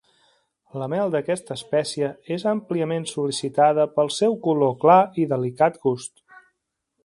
La mel d'aquesta espècie és àmpliament sol·licitada pel seu color clar i delicat gust.